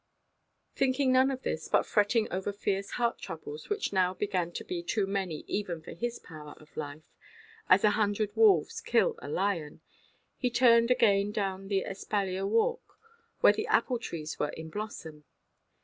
Thinking none of this, but fretting over fierce heart–troubles, which now began to be too many even for his power of life—as a hundred wolves kill a lion—he turned again down the espalier–walk, where the apple–trees were in blossom.